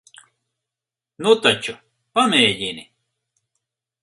Nu taču, pamēģini.